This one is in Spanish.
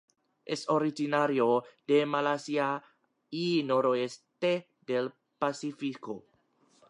Es originario de Malasia y noroeste del Pacífico.